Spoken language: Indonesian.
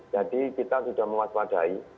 jadi kita sudah mewaspadai